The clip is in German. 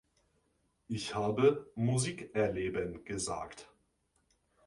Ich habe 'Musikerleben' gesagt.